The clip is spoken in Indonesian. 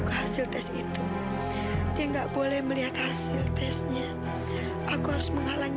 kamu sudah bisa jalan